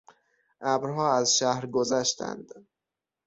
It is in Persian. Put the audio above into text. ابرها از شهر گذشتند.